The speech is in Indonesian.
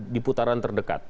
di putaran terdekat